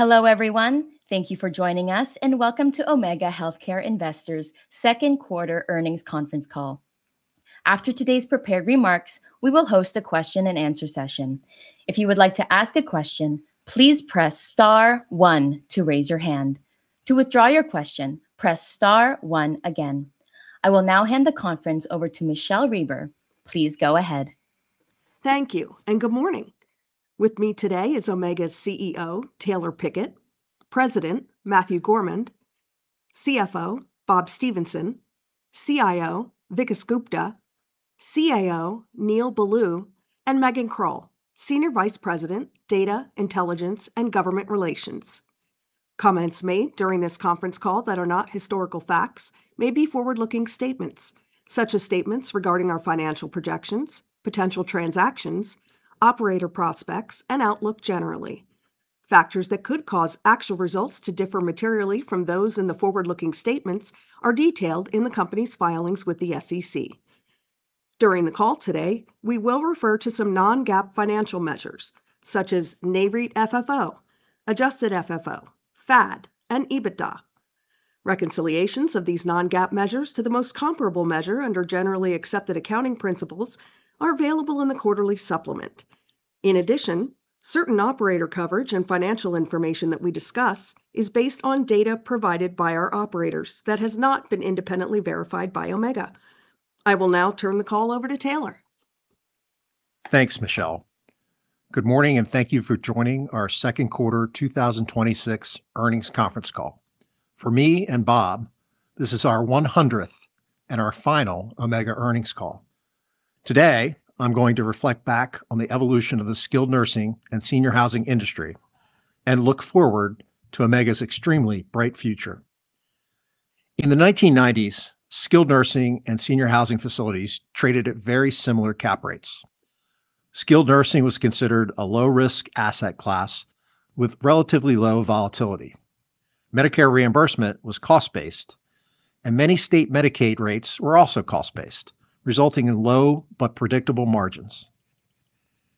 Hello, everyone. Thank you for joining us, and welcome to Omega Healthcare Investors' second quarter earnings conference call. After today's prepared remarks, we will host a question and answer session. If you would like to ask a question, please press star one to raise your hand. To withdraw your question, press star one again. I will now hand the conference over to Michele Reber. Please go ahead. Thank you, and good morning. With me today is Omega's CEO, Taylor Pickett; President, Matthew Gourmand; CFO, Bob Stephenson; CIO, Vik Gupta; CAO, Neal Ballew; and Megan M. Krull, Senior Vice President, Data Intelligence and Government Relations. Comments made during this conference call that are not historical facts may be forward-looking statements, such as statements regarding our financial projections, potential transactions, operator prospects, and outlook generally. Factors that could cause actual results to differ materially from those in the forward-looking statements are detailed in the company's filings with the SEC. During the call today, we will refer to some non-GAAP financial measures, such as Nareit FFO, Adjusted FFO, FAD, and EBITDA. Reconciliations of these non-GAAP measures to the most comparable measure under generally accepted accounting principles are available in the quarterly supplement. In addition, certain operator coverage and financial information that we discuss is based on data provided by our operators that has not been independently verified by Omega. I will now turn the call over to Taylor. Thanks, Michele. Good morning, and thank you for joining our second quarter 2026 earnings conference call. For me and Bob, this is our 100th and our final Omega earnings call. Today, I'm going to reflect back on the evolution of the skilled nursing and senior housing industry and look forward to Omega's extremely bright future. In the 1990s, skilled nursing and senior housing facilities traded at very similar cap rates. Skilled nursing was considered a low-risk asset class with relatively low volatility. Medicare reimbursement was cost-based, and many state Medicaid rates were also cost-based, resulting in low but predictable margins.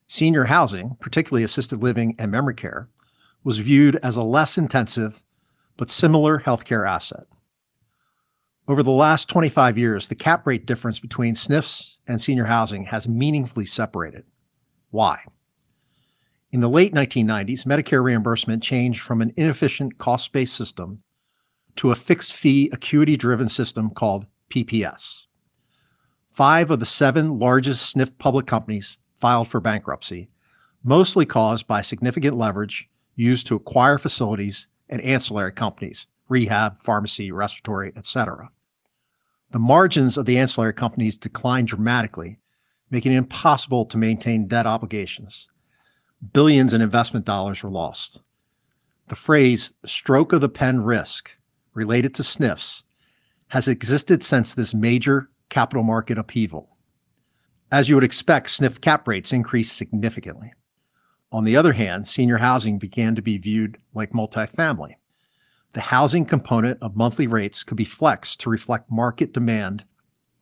Senior housing, particularly assisted living and memory care, was viewed as a less intensive but similar healthcare asset. Over the last 25 years, the cap rate difference between SNFs and senior housing has meaningfully separated. Why? In the late 1990s, Medicare reimbursement changed from an inefficient cost-based system to a fixed-fee, acuity-driven system called PPS. Five of the seven largest SNF public companies filed for bankruptcy, mostly caused by significant leverage used to acquire facilities and ancillary companies, rehab, pharmacy, respiratory, et cetera. The margins of the ancillary companies declined dramatically, making it impossible to maintain debt obligations. Billions in investment dollars were lost. The phrase stroke of the pen risk related to SNFs has existed since this major capital market upheaval. As you would expect, SNF cap rates increased significantly. On the other hand, senior housing began to be viewed like multifamily. The housing component of monthly rates could be flexed to reflect market demand,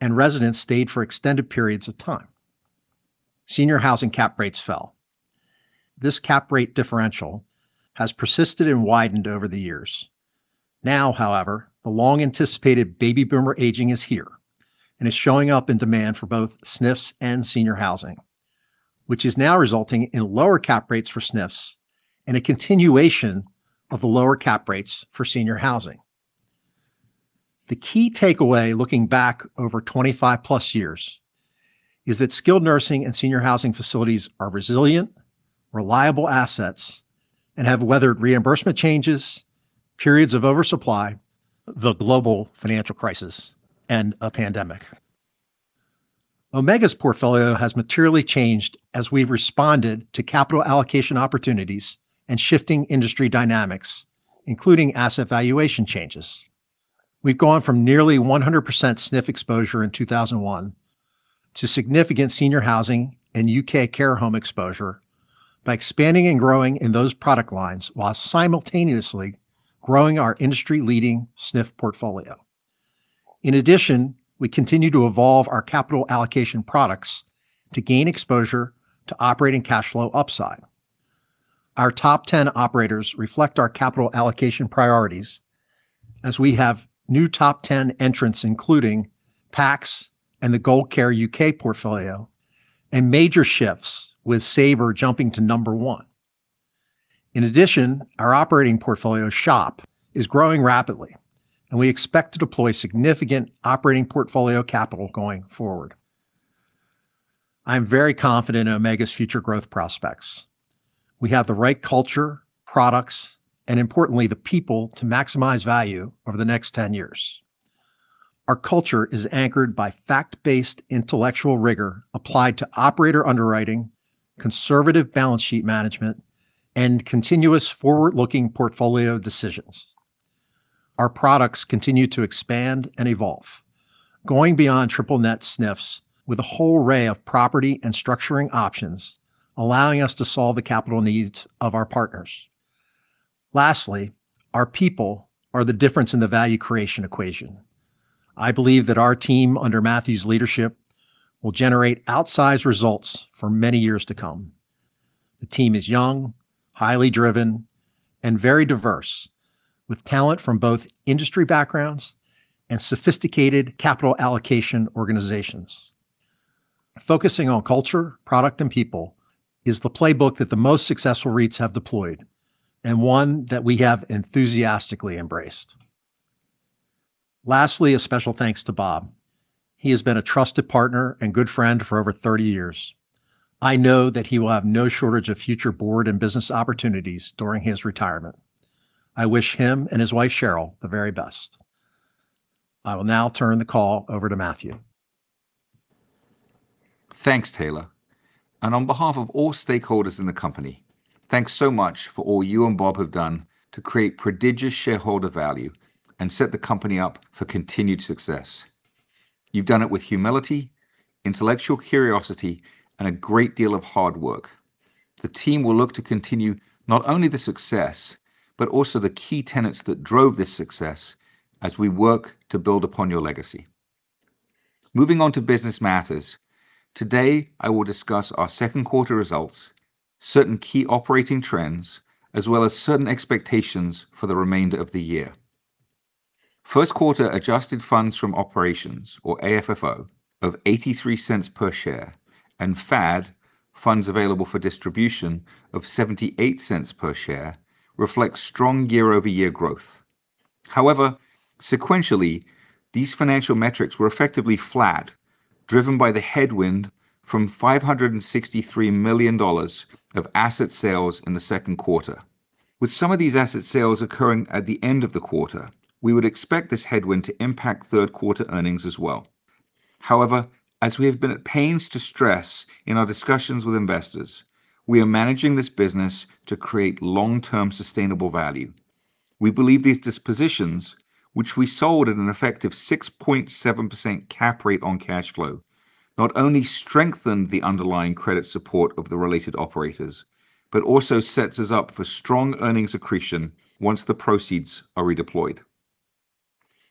and residents stayed for extended periods of time. Senior housing cap rates fell. This cap rate differential has persisted and widened over the years. Now, however, the long-anticipated baby boomer aging is here and is showing up in demand for both SNFs and senior housing, which is now resulting in lower cap rates for SNFs and a continuation of the lower cap rates for senior housing. The key takeaway looking back over 25-plus years is that skilled nursing and senior housing facilities are resilient, reliable assets and have weathered reimbursement changes, periods of oversupply, the global financial crisis, and a pandemic. Omega's portfolio has materially changed as we've responded to capital allocation opportunities and shifting industry dynamics, including asset valuation changes. We've gone from nearly 100% SNF exposure in 2001 to significant senior housing and U.K. care home exposure by expanding and growing in those product lines while simultaneously growing our industry-leading SNF portfolio. In addition, we continue to evolve our capital allocation products to gain exposure to operating cash flow upside. Our top 10 operators reflect our capital allocation priorities as we have new top 10 entrants, including Pax and the Gold Care Homes U.K. portfolio, and major shifts with Saber jumping to number one. In addition, our operating portfolio SHOP is growing rapidly, and we expect to deploy significant operating portfolio capital going forward. I am very confident in Omega's future growth prospects. We have the right culture, products, and importantly, the people to maximize value over the next 10 years. Our culture is anchored by fact-based intellectual rigor applied to operator underwriting, conservative balance sheet management, and continuous forward-looking portfolio decisions. Our products continue to expand and evolve, going beyond triple net SNFs with a whole array of property and structuring options, allowing us to solve the capital needs of our partners. Lastly, our people are the difference in the value creation equation. I believe that our team under Matthew's leadership will generate outsized results for many years to come. The team is young, highly driven, and very diverse, with talent from both industry backgrounds and sophisticated capital allocation organizations. Focusing on culture, product, and people is the playbook that the most successful REITs have deployed, and one that we have enthusiastically embraced. Lastly, a special thanks to Bob. He has been a trusted partner and good friend for over 30 years. I know that he will have no shortage of future board and business opportunities during his retirement. I wish him and his wife, Cheryl, the very best. I will now turn the call over to Matthew. Thanks, Taylor. On behalf of all stakeholders in the company, thanks so much for all you and Bob have done to create prodigious shareholder value and set the company up for continued success. You've done it with humility, intellectual curiosity, and a great deal of hard work. The team will look to continue not only the success, but also the key tenets that drove this success as we work to build upon your legacy. Moving on to business matters. Today, I will discuss our second quarter results, certain key operating trends, as well as certain expectations for the remainder of the year. First quarter Adjusted FFO, or AFFO, of $0.83 per share, and FAD, funds available for distribution, of $0.78 per share reflects strong year-over-year growth. Sequentially, these financial metrics were effectively flat, driven by the headwind from $563 million of asset sales in the second quarter. With some of these asset sales occurring at the end of the quarter, we would expect this headwind to impact third quarter earnings as well. As we have been at pains to stress in our discussions with investors, we are managing this business to create long-term sustainable value. We believe these dispositions, which we sold at an effective 6.7% cap rate on cash flow, not only strengthened the underlying credit support of the related operators, but also sets us up for strong earnings accretion once the proceeds are redeployed.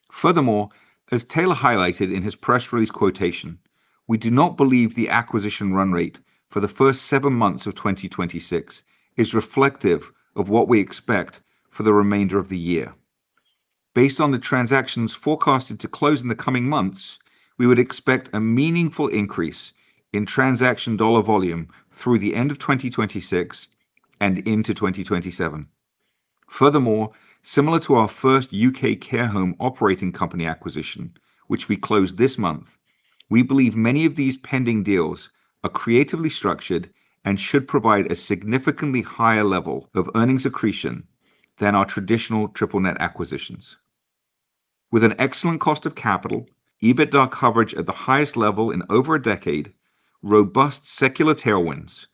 Furthermore, as Taylor highlighted in his press release quotation, we do not believe the acquisition run rate for the first seven months of 2026 is reflective of what we expect for the remainder of the year. Based on the transactions forecasted to close in the coming months, we would expect a meaningful increase in transaction dollar volume through the end of 2026 and into 2027. Furthermore, similar to our first U.K. care home operating company acquisition, which we closed this month, we believe many of these pending deals are creatively structured and should provide a significantly higher level of earnings accretion than our traditional triple net acquisitions. With an excellent cost of capital, EBITDA coverage at the highest level in over a decade, robust secular tailwinds,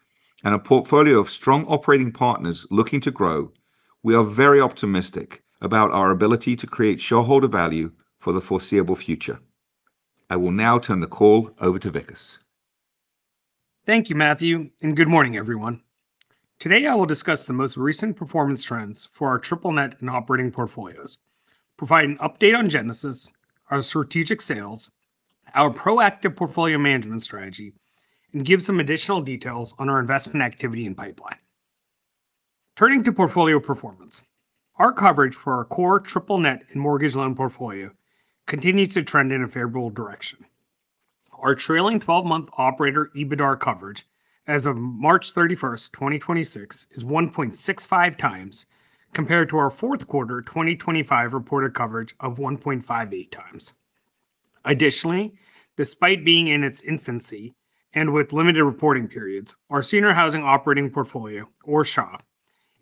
and a portfolio of strong operating partners looking to grow, we are very optimistic about our ability to create shareholder value for the foreseeable future. I will now turn the call over to Vikas. Thank you, Matthew. Good morning, everyone. Today, I will discuss the most recent performance trends for our triple net and operating portfolios, provide an update on Genesis, our strategic sales, our proactive portfolio management strategy, and give some additional details on our investment activity and pipeline. Turning to portfolio performance, our coverage for our core triple net and mortgage loan portfolio continues to trend in a favorable direction. Our trailing 12 month operator, EBITDA coverage as of March 31st, 2026 is 1.65x compared to our fourth quarter 2025 reported coverage of 1.58x. Additionally, despite being in its infancy and with limited reporting periods, our Senior Housing Operating Portfolio, or SHOP,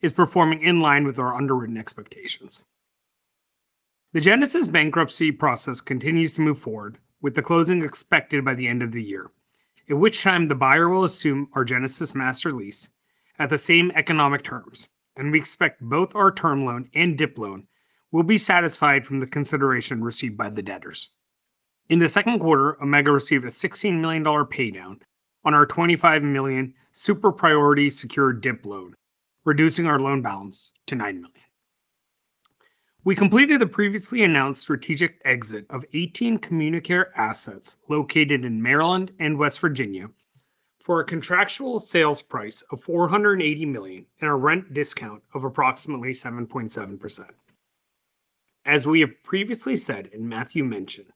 is performing in line with our underwritten expectations. The Genesis bankruptcy process continues to move forward with the closing expected by the end of the year, at which time the buyer will assume our Genesis master lease at the same economic terms. We expect both our term loan and DIP loan will be satisfied from the consideration received by the debtors. In the second quarter, Omega received a $16 million paydown on our $25 million super priority secured DIP loan, reducing our loan balance to $9 million. We completed the previously announced strategic exit of 18 CommuniCare assets located in Maryland and West Virginia for a contractual sales price of $480 million and a rent discount of approximately 7.7%. As we have previously said and Matthew mentioned,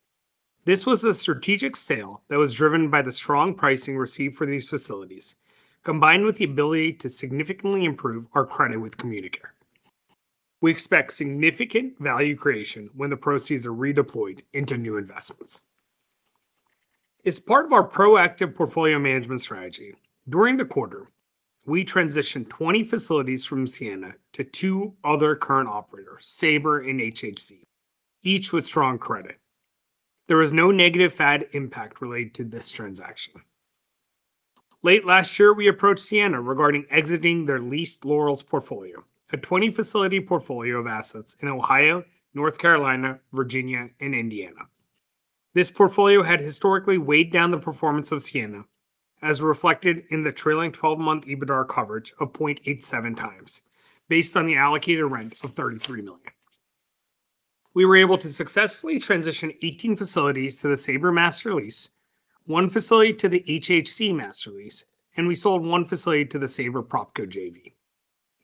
this was a strategic sale that was driven by the strong pricing received for these facilities, combined with the ability to significantly improve our credit with CommuniCare. We expect significant value creation when the proceeds are redeployed into new investments. As part of our proactive portfolio management strategy, during the quarter, we transitioned 20 facilities from Ciena to two other current operators, Saber and HHC, each with strong credit. There was no negative FAD impact related to this transaction. Late last year, we approached Ciena regarding exiting their leased Laurels portfolio, a 20 facility portfolio of assets in Ohio, North Carolina, Virginia, and Indiana. This portfolio had historically weighed down the performance of Ciena as reflected in the trailing 12 month EBITDA coverage of 0.87x, based on the allocated rent of $33 million. We were able to successfully transition 18 facilities to the Saber master lease, one facility to the HHC master lease. We sold one facility to the Saber PropCo JV.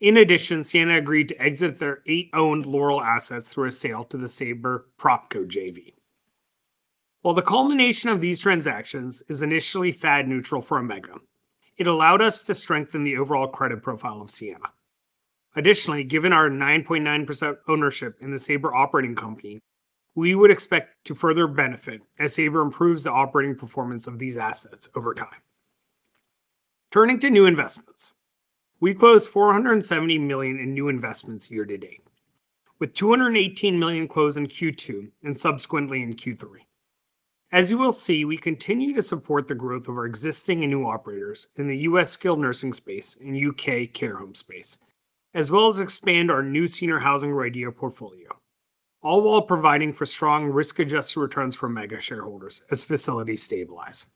In addition, Ciena agreed to exit their eight-owned Laurel assets through a sale to the Saber PropCo JV. While the culmination of these transactions is initially FAD neutral for Omega Healthcare Investors, it allowed us to strengthen the overall credit profile of Ciena. Additionally, given our 9.9% ownership in the Saber Operating Company, we would expect to further benefit as Saber improves the operating performance of these assets over time. Turning to new investments. We closed $470 million in new investments year to date, with $218 million closed in Q2 and subsequently in Q3. As you will see, we continue to support the growth of our existing and new operators in the U.S. skilled nursing space and U.K. care home space, as well as expand our new senior housing RIDEA portfolio, all while providing for strong risk-adjusted returns for Omega Healthcare Investors shareholders as facilities stabilize.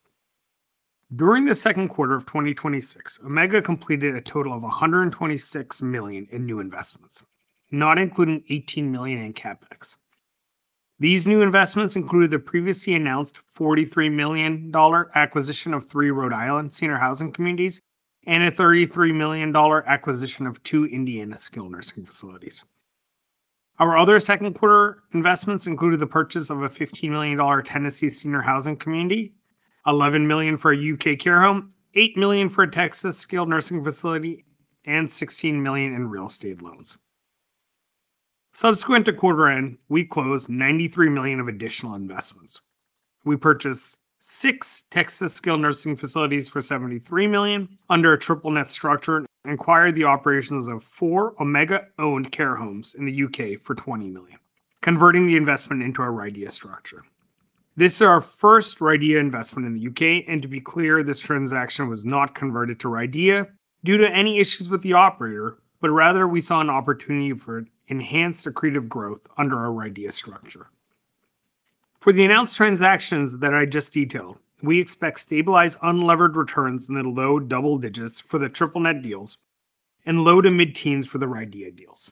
During the second quarter of 2026, Omega completed a total of $126 million in new investments, not including $18 million in CapEx. These new investments include the previously announced $43 million acquisition of three Rhode Island senior housing communities and a $33 million acquisition of two Indiana skilled nursing facilities. Our other second-quarter investments included the purchase of a $15 million Tennessee senior housing community, $11 million for a U.K. care home, $8 million for a Texas skilled nursing facility, and $16 million in real estate loans. Subsequent to quarter end, we closed $93 million of additional investments. We purchased six Texas skilled nursing facilities for $73 million under a triple net structure. We acquired the operations of four Omega Healthcare Investors-owned care homes in the U.K. for $20 million, converting the investment into a RIDEA structure. This is our first RIDEA investment in the U.K. To be clear, this transaction was not converted to RIDEA due to any issues with the operator. Rather, we saw an opportunity for enhanced accretive growth under our RIDEA structure. For the announced transactions that I just detailed, we expect stabilized unlevered returns in the low double digits for the triple net deals and low to mid-teens for the RIDEA deals.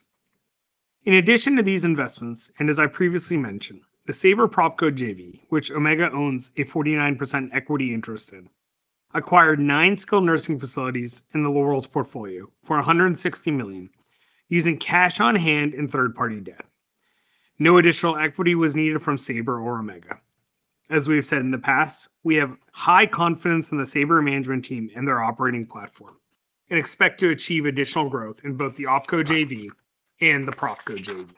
In addition to these investments, as I previously mentioned, the Saber PropCo JV, which Omega owns a 49% equity interest in, acquired nine skilled nursing facilities in the Laurels portfolio for $160 million using cash on hand and third-party debt. No additional equity was needed from Saber or Omega. As we've said in the past, we have high confidence in the Saber management team and their operating platform and expect to achieve additional growth in both the OpCo JV and the PropCo JV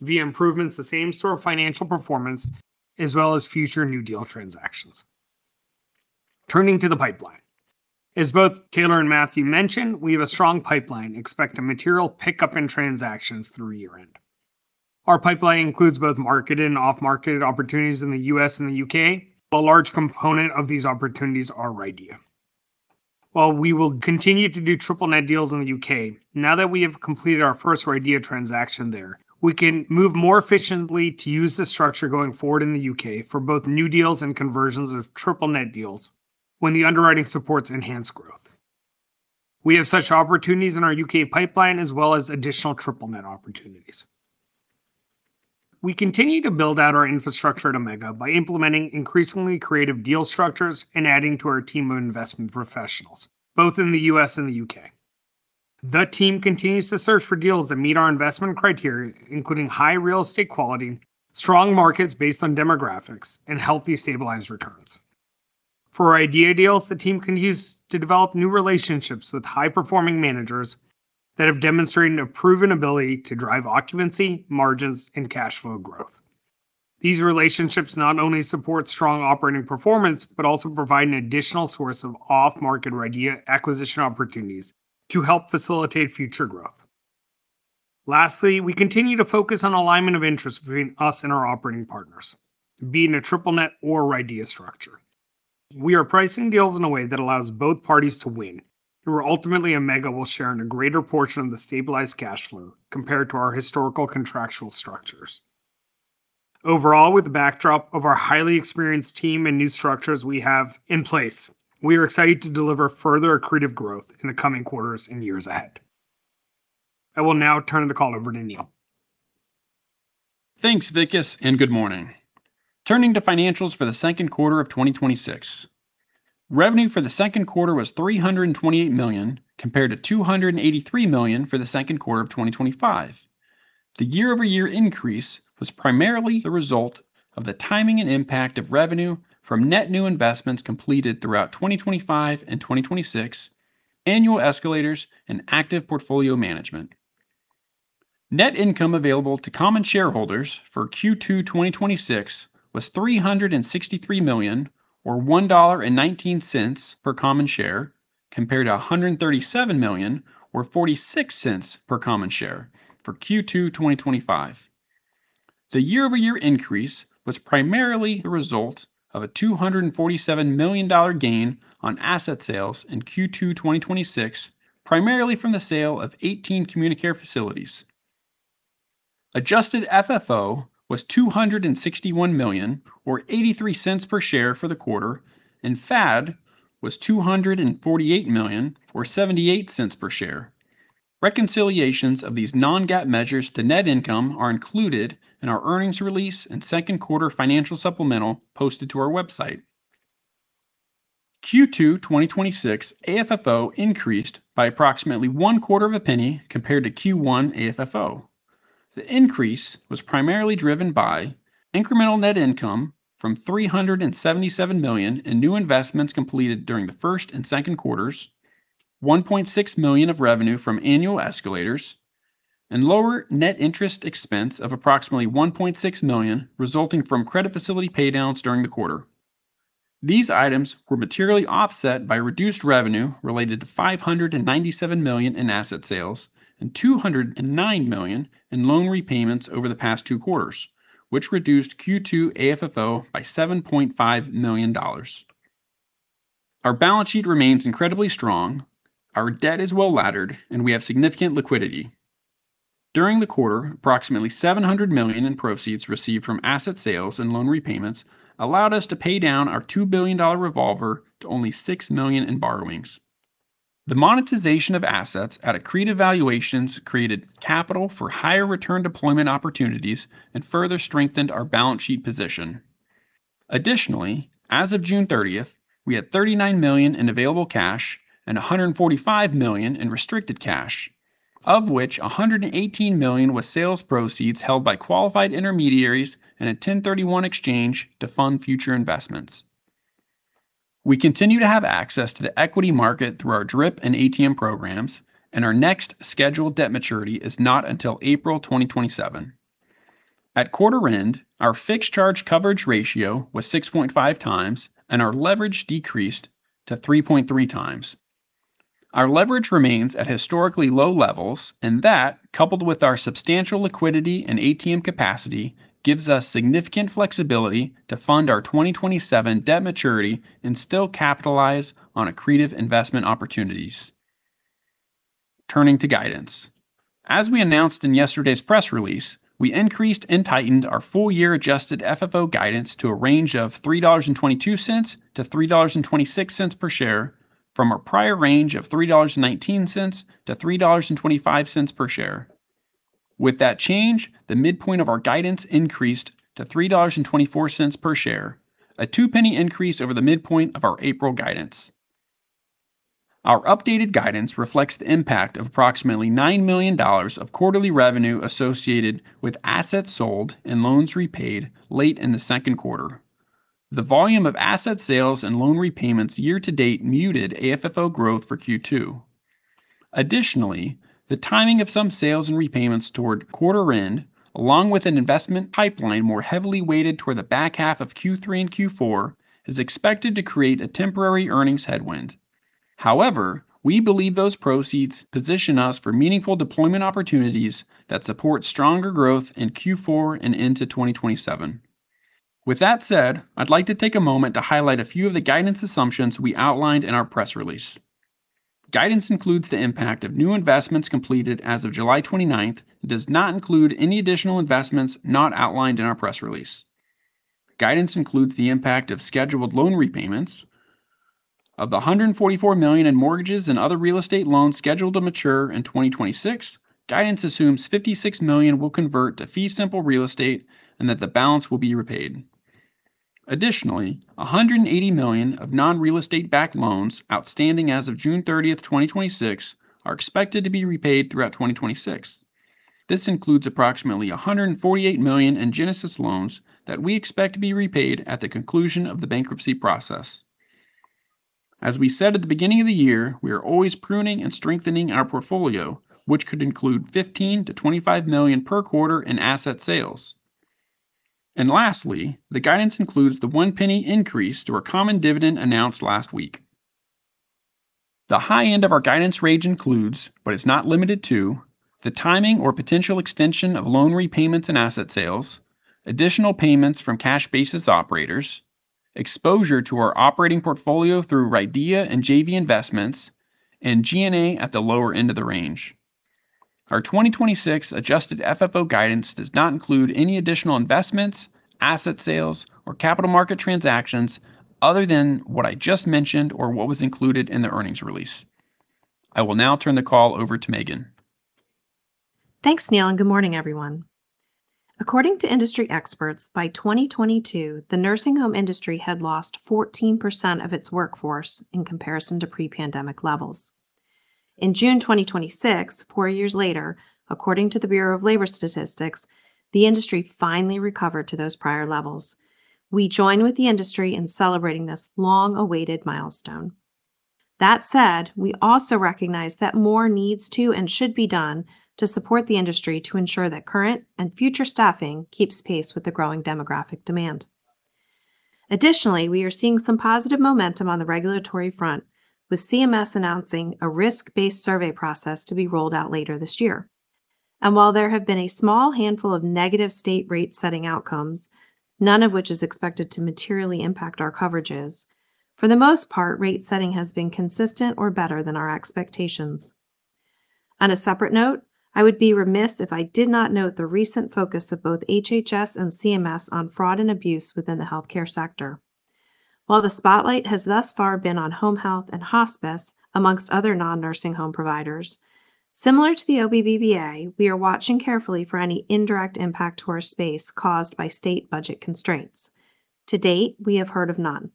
via improvements to same-store financial performance as well as future new deal transactions. Turning to the pipeline. As both Taylor and Matthew mentioned, we have a strong pipeline and expect a material pickup in transactions through year-end. Our pipeline includes both marketed and off-market opportunities in the U.S. and the U.K. A large component of these opportunities are RIDEA. We will continue to do triple net deals in the U.K. Now that we have completed our first RIDEA transaction there, we can move more efficiently to use this structure going forward in the U.K. for both new deals and conversions of triple net deals when the underwriting supports enhanced growth. We have such opportunities in our U.K. pipeline, as well as additional triple net opportunities. We continue to build out our infrastructure at Omega by implementing increasingly creative deal structures and adding to our team of investment professionals, both in the U.S. and the U.K. The team continues to search for deals that meet our investment criteria, including high real estate quality, strong markets based on demographics, and healthy, stabilized returns. For RIDEA deals, the team continues to develop new relationships with high-performing managers that have demonstrated a proven ability to drive occupancy, margins, and cash flow growth. These relationships not only support strong operating performance but also provide an additional source of off-market RIDEA acquisition opportunities to help facilitate future growth. Lastly, we continue to focus on alignment of interest between us and our operating partners, be it in a triple net or RIDEA structure. We are pricing deals in a way that allows both parties to win. Where ultimately Omega will share in a greater portion of the stabilized cash flow compared to our historical contractual structures. Overall, with the backdrop of our highly experienced team and new structures we have in place, we are excited to deliver further accretive growth in the coming quarters and years ahead. I will now turn the call over to Neal. Thanks, Vikas, and good morning. Turning to financials for the second quarter of 2026. Revenue for the second quarter was $328 million, compared to $283 million for the second quarter of 2025. The year-over-year increase was primarily the result of the timing and impact of revenue from net new investments completed throughout 2025 and 2026, annual escalators, and active portfolio management. Net income available to common shareholders for Q2 2026 was $363 million, or $1.19 per common share, compared to $137 million, or $0.46 per common share for Q2 2025. The year-over-year increase was primarily the result of a $247 million gain on asset sales in Q2 2026, primarily from the sale of 18 CommuniCare facilities. Adjusted FFO was $261 million, or $0.83 per share for the quarter, and FAD was $248 million, or $0.78 per share. Reconciliations of these non-GAAP measures to net income are included in our earnings release and second quarter financial supplemental posted to our website. Q2 2026 AFFO increased by approximately one quarter of a penny compared to Q1 AFFO. The increase was primarily driven by incremental net income from $377 million in new investments completed during the first and second quarters, $1.6 million of revenue from annual escalators, and lower net interest expense of approximately $1.6 million resulting from credit facility pay downs during the quarter. These items were materially offset by reduced revenue related to $597 million in asset sales and $209 million in loan repayments over the past two quarters, which reduced Q2 AFFO by $7.5 million. Our balance sheet remains incredibly strong. Our debt is well laddered, and we have significant liquidity. During the quarter, approximately $700 million in proceeds received from asset sales and loan repayments allowed us to pay down our $2 billion revolver to only $6 million in borrowings. The monetization of assets at accretive valuations created capital for higher return deployment opportunities and further strengthened our balance sheet position. Additionally, as of June 30th, we had $39 million in available cash and $145 million in restricted cash, of which $118 million was sales proceeds held by qualified intermediaries in a 1031 exchange to fund future investments. We continue to have access to the equity market through our DRIP and ATM programs, and our next scheduled debt maturity is not until April 2027. At quarter end, our fixed charge coverage ratio was 6.5x, and our leverage decreased to 3.3x. Our leverage remains at historically low levels, coupled with our substantial liquidity and ATM capacity, gives us significant flexibility to fund our 2027 debt maturity and still capitalize on accretive investment opportunities. Turning to guidance. As we announced in yesterday's press release, we increased and tightened our full year Adjusted FFO guidance to a range of $3.22-$3.26 per share from our prior range of $3.19-$3.25 per share. With that change, the midpoint of our guidance increased to $3.24 per share, a $0.02 increase over the midpoint of our April guidance. Our updated guidance reflects the impact of approximately $9 million of quarterly revenue associated with assets sold and loans repaid late in the second quarter. The volume of asset sales and loan repayments year-to-date muted AFFO growth for Q2. Additionally, the timing of some sales and repayments toward quarter end, along with an investment pipeline more heavily weighted toward the back half of Q3 and Q4, is expected to create a temporary earnings headwind. However, we believe those proceeds position us for meaningful deployment opportunities that support stronger growth in Q4 and into 2027. With that said, I'd like to take a moment to highlight a few of the guidance assumptions we outlined in our press release. Guidance includes the impact of new investments completed as of July 29th and does not include any additional investments not outlined in our press release. Guidance includes the impact of scheduled loan repayments. Of the $144 million in mortgages and other real estate loans scheduled to mature in 2026, guidance assumes $56 million will convert to fee simple real estate and that the balance will be repaid. Additionally, $180 million of non-real estate-backed loans outstanding as of June 30th, 2026 are expected to be repaid throughout 2026. This includes approximately $148 million in Genesis loans that we expect to be repaid at the conclusion of the bankruptcy process. As we said at the beginning of the year, we are always pruning and strengthening our portfolio, which could include $15 million-$25 million per quarter in asset sales. Lastly, the guidance includes the $0.01 increase to our common dividend announced last week. The high end of our guidance range includes, but is not limited to, the timing or potential extension of loan repayments and asset sales, additional payments from cash basis operators, exposure to our operating portfolio through RIDEA and JV investments, and G&A at the lower end of the range. Our 2026 Adjusted FFO guidance does not include any additional investments, asset sales, or capital market transactions other than what I just mentioned or what was included in the earnings release. I will now turn the call over to Megan. Thanks, Neal. Good morning, everyone. According to industry experts, by 2022, the nursing home industry had lost 14% of its workforce in comparison to pre-pandemic levels. In June 2026, four years later, according to the Bureau of Labor Statistics, the industry finally recovered to those prior levels. We join with the industry in celebrating this long-awaited milestone. That said, we also recognize that more needs to and should be done to support the industry to ensure that current and future staffing keeps pace with the growing demographic demand. Additionally, we are seeing some positive momentum on the regulatory front, with CMS announcing a risk-based survey process to be rolled out later this year. While there have been a small handful of negative state rate-setting outcomes, none of which is expected to materially impact our coverages. For the most part, rate setting has been consistent or better than our expectations. On a separate note, I would be remiss if I did not note the recent focus of both HHS and CMS on fraud and abuse within the healthcare sector. While the spotlight has thus far been on home health and hospice, amongst other non-nursing home providers, similar to the OBBBA, we are watching carefully for any indirect impact to our space caused by state budget constraints. To date, we have heard of none.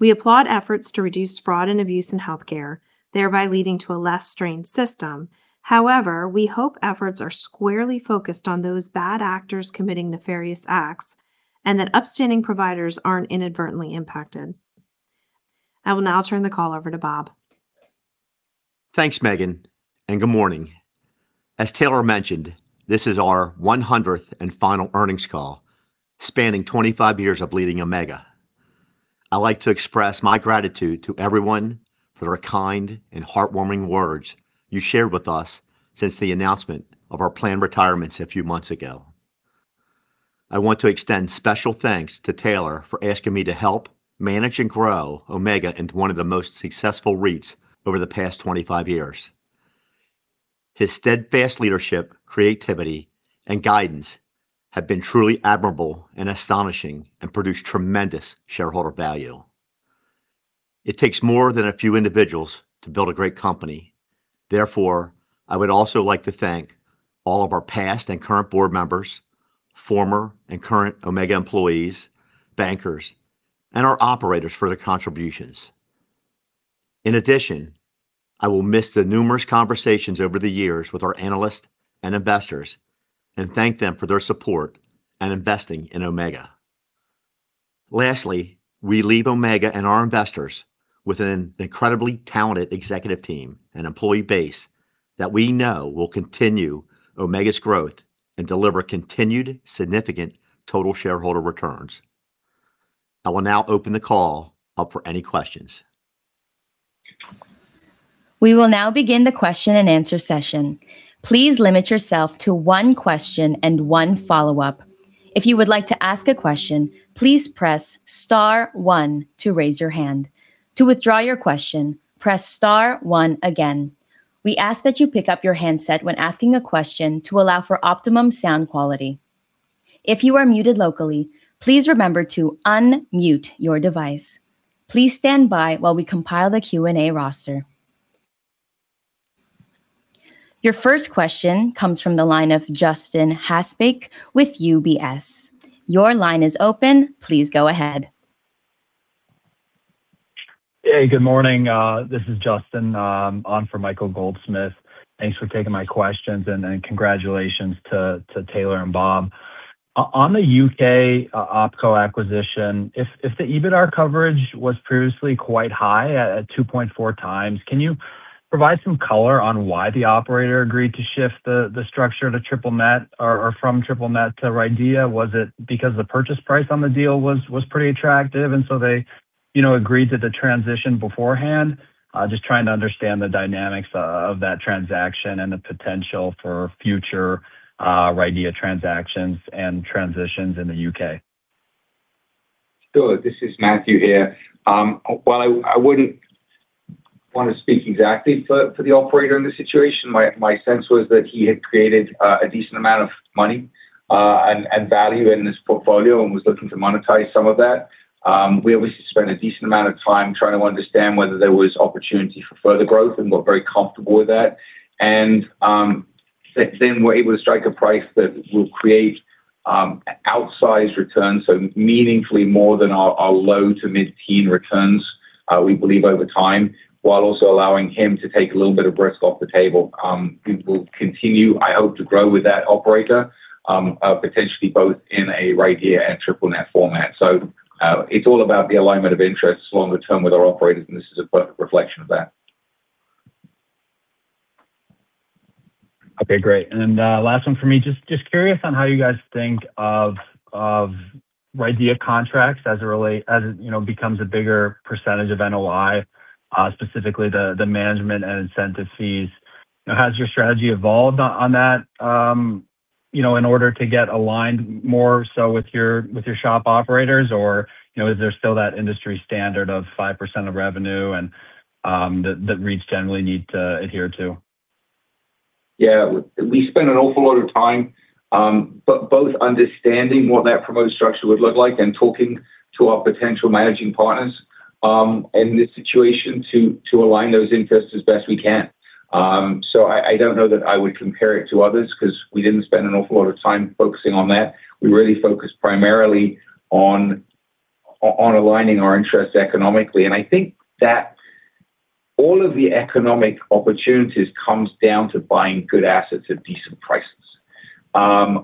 We applaud efforts to reduce fraud and abuse in healthcare, thereby leading to a less strained system. However, we hope efforts are squarely focused on those bad actors committing nefarious acts, and that upstanding providers aren't inadvertently impacted. I will now turn the call over to Bob. Thanks, Megan, and good morning. As Taylor mentioned, this is our 100th and final earnings call, spanning 25 years of leading Omega. I'd like to express my gratitude to everyone for their kind and heartwarming words you shared with us since the announcement of our planned retirements a few months ago. I want to extend special thanks to Taylor for asking me to help manage and grow Omega into one of the most successful REITs over the past 25 years. His steadfast leadership, creativity, and guidance have been truly admirable and astonishing, and produced tremendous shareholder value. I would also like to thank all of our past and current board members, former and current Omega employees, bankers, and our operators for their contributions. I will miss the numerous conversations over the years with our analysts and investors, and thank them for their support and investing in Omega. We leave Omega and our investors with an incredibly talented executive team and employee base that we know will continue Omega's growth and deliver continued significant total shareholder returns. I will now open the call up for any questions. We will now begin the question and answer session. Please limit yourself to one question and one follow-up. If you would like to ask a question, please press star one to raise your hand. To withdraw your question, press star one again. We ask that you pick up your handset when asking a question to allow for optimum sound quality. If you are muted locally, please remember to unmute your device. Please stand by while we compile the Q&A roster. Your first question comes from the line of Justin Haasbeek with UBS. Your line is open. Please go ahead. Hey, good morning. This is Justin on for Michael Goldsmith. Thanks for taking my questions and congratulations to Taylor and Bob. On the U.K. OpCo acquisition, if the EBITDA coverage was previously quite high at 2.4x, can you provide some color on why the operator agreed to shift the structure to triple net or from triple net to RIDEA? Was it because the purchase price on the deal was pretty attractive and so they agreed to the transition beforehand? Just trying to understand the dynamics of that transaction and the potential for future RIDEA transactions and transitions in the U.K. Sure. This is Matthew here. While I wouldn't want to speak exactly for the operator in this situation, my sense was that he had created a decent amount of money and value in this portfolio and was looking to monetize some of that. We obviously spent a decent amount of time trying to understand whether there was opportunity for further growth, and we're very comfortable with that. We're able to strike a price that will create outsized returns, so meaningfully more than our low to mid-teen returns, we believe over time, while also allowing him to take a little bit of risk off the table. We will continue, I hope, to grow with that operator, potentially both in a RIDEA and triple net format. It's all about the alignment of interests longer term with our operators, and this is a perfect reflection of that. Okay, great. Last one for me. Just curious on how you guys think of RIDEA contracts as it becomes a bigger percentage of NOI, specifically the management and incentive fees. Has your strategy evolved on that in order to get aligned more so with your SHOP operators? Or is there still that industry standard of 5% of revenue and that REITs generally need to adhere to? Yeah. We spend an awful lot of time, both understanding what that proposed structure would look like and talking to our potential managing partners in this situation to align those interests as best we can. I don't know that I would compare it to others because we didn't spend an awful lot of time focusing on that. We really focused primarily on aligning our interests economically, and I think that all of the economic opportunities comes down to buying good assets at decent prices.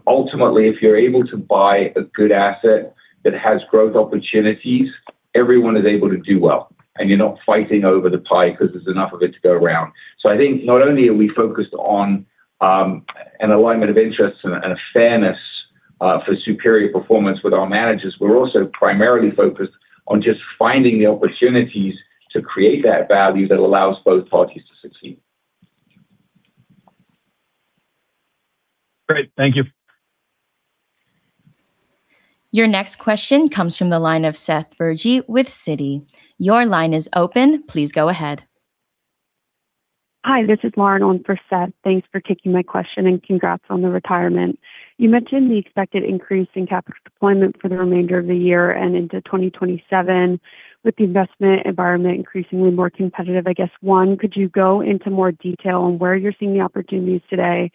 Ultimately, if you're able to buy a good asset that has growth opportunities, everyone is able to do well, and you're not fighting over the pie because there's enough of it to go around. I think not only are we focused on an alignment of interests and a fairness for superior performance with our managers, we're also primarily focused on just finding the opportunities to create that value that allows both parties to succeed. Thank you. Your next question comes from the line of Seth Bergey with Citi. Your line is open. Please go ahead. Hi, this is Lauren on for Seth. Thanks for taking my question, and congrats on the retirement. You mentioned the expected increase in capital deployment for the remainder of the year and into 2027. With the investment environment increasingly more competitive, I guess, one, could you go into more detail on where you're seeing the opportunities today?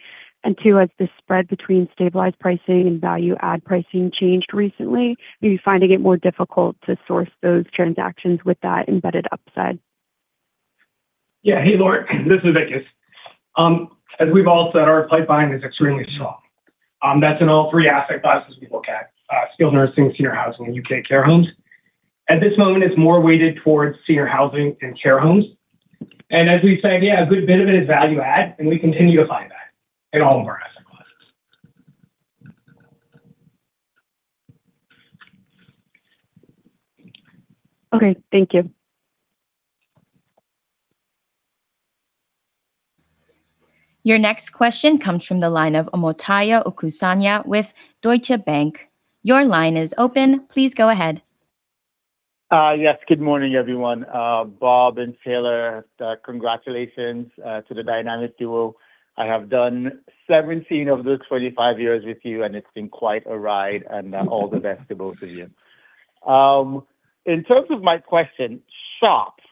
Two, has the spread between stabilized pricing and value-add pricing changed recently? Are you finding it more difficult to source those transactions with that embedded upside? Yeah. Hey, Lauren, this is Vikas. As we've all said, our pipeline is extremely strong. That's in all three asset classes we look at, skilled nursing, senior housing, and U.K. care homes. At this moment, it's more weighted towards senior housing and care homes. As we said, yeah, a good bit of it is value add, and we continue to find that in all of our asset classes. Okay. Thank you. Your next question comes from the line of Omotayo Okusanya with Deutsche Bank. Your line is open. Please go ahead. Yes. Good morning, everyone. Bob and Taylor, congratulations to the dynamic duo. I have done 17 of those 25 years with you, and it's been quite a ride, and all the best to both of you. In terms of my question, SHOPs.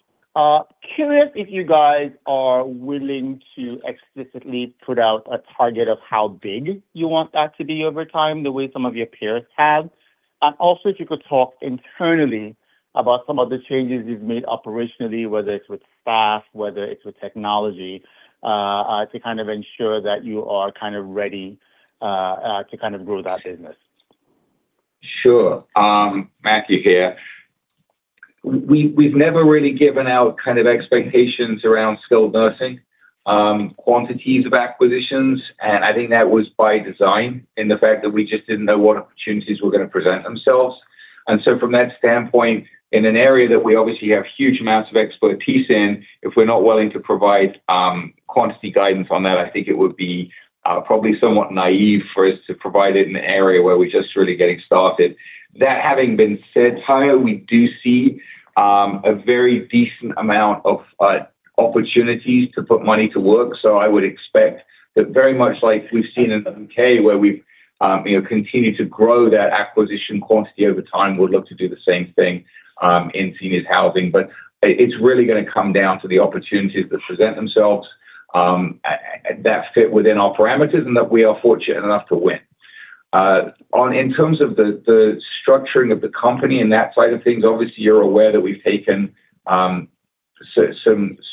Curious if you guys are willing to explicitly put out a target of how big you want that to be over time, the way some of your peers have. Also, if you could talk internally about some of the changes you've made operationally, whether it's with staff, whether it's with technology, to ensure that you are ready to grow that business. Sure. Matthew here. We've never really given out expectations around skilled nursing quantities of acquisitions, I think that was by design in the fact that we just didn't know what opportunities were going to present themselves. From that standpoint, in an area that we obviously have huge amounts of expertise in, if we're not willing to provide quantity guidance on that, I think it would be probably somewhat naive for us to provide it in an area where we're just really getting started. That having been said, Tayo, we do see a very decent amount of opportunities to put money to work. I would expect that very much like we've seen in the U.K. where we've continued to grow that acquisition quantity over time, we'd look to do the same thing in seniors housing. It's really going to come down to the opportunities that present themselves that fit within our parameters and that we are fortunate enough to win. In terms of the structuring of the company and that side of things, obviously, you're aware that we've taken some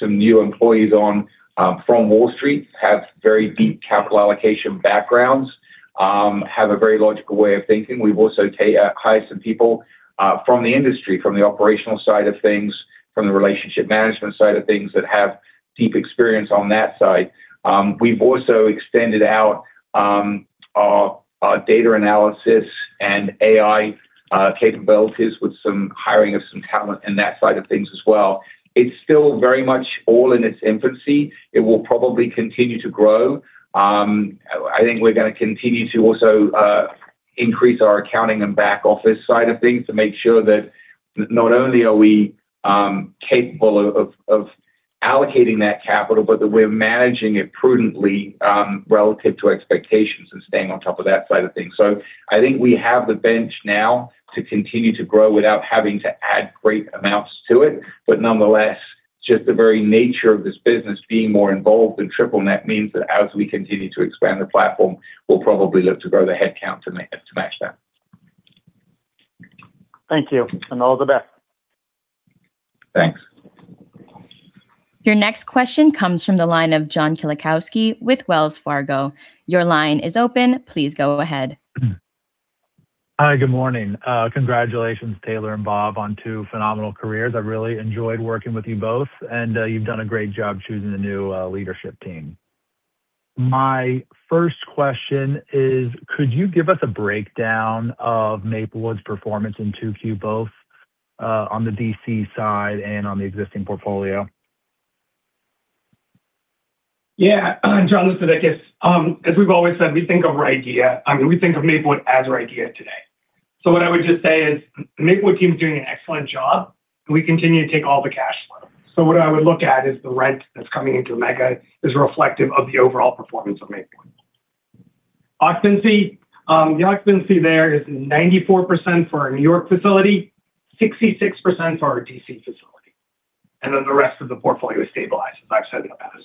new employees on from Wall Street, have very deep capital allocation backgrounds, have a very logical way of thinking. We've also hired some people from the industry, from the operational side of things, from the relationship management side of things that have deep experience on that side. We've also extended out our data analysis and AI capabilities with some hiring of some talent in that side of things as well. It's still very much all in its infancy. It will probably continue to grow. I think we're going to continue to also increase our accounting and back-office side of things to make sure that not only are we capable of allocating that capital, but that we're managing it prudently relative to expectations and staying on top of that side of things. I think we have the bench now to continue to grow without having to add great amounts to it. Nonetheless, just the very nature of this business being more involved in triple net means that as we continue to expand the platform, we'll probably look to grow the headcount to match that. Thank you, and all the best. Thanks. Your next question comes from the line of John Kilichowski with Wells Fargo. Your line is open. Please go ahead. Hi, good morning. Congratulations, Taylor and Bob, on two phenomenal careers. I really enjoyed working with you both, and you've done a great job choosing the new leadership team. My first question is, could you give us a breakdown of Maplewood's performance in 2Q, both on the D.C. side and on the existing portfolio? Yeah. John, this is Vikas. As we've always said, we think of Maplewood as RIDEA today. What I would just say is, Maplewood team is doing an excellent job, and we continue to take all the cash flow. What I would look at is the rent that's coming into Omega is reflective of the overall performance of Maplewood. Occupancy. The occupancy there is 94% for our New York facility, 66% for our D.C. facility. The rest of the portfolio is stabilized, as I've said in the past.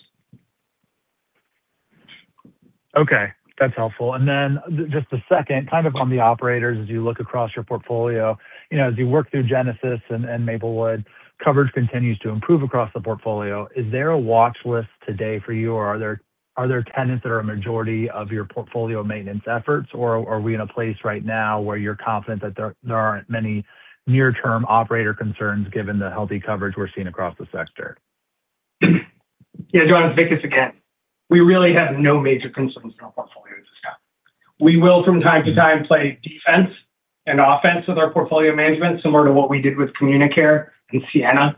Okay. That's helpful. Just the second, on the operators as you look across your portfolio. As you work through Genesis and Maplewood, coverage continues to improve across the portfolio. Is there a watch list today for you, or are there tenants that are a majority of your portfolio maintenance efforts? Or are we in a place right now where you're confident that there aren't many near-term operator concerns given the healthy coverage we're seeing across the sector? Yeah, John, it's Vikas again. We really have no major concerns in our portfolio at this time. We will, from time to time, play defense and offense with our portfolio management, similar to what we did with CommuniCare and Ciena,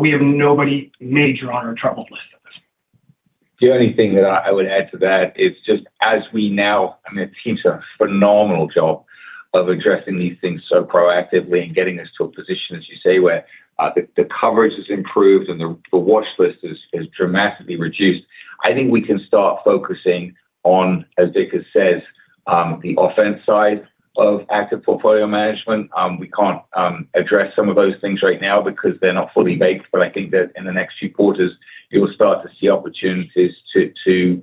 we have nobody major on our troubled list at this point. The only thing that I would add to that is just as we now, I mean, the team's done a phenomenal job of addressing these things so proactively and getting us to a position, as you say, where the coverage has improved and the watch list is dramatically reduced. I think we can start focusing on, as Vikas says, the offense side of active portfolio management. We can't address some of those things right now because they're not fully baked. I think that in the next few quarters, you'll start to see opportunities to